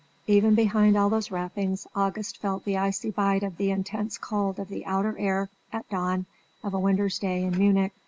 Even behind all those wrappings August felt the icy bite of the intense cold of the outer air at dawn of a winter's day in Munich.